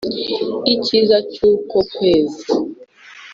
icyiza cy’ukwo kwezi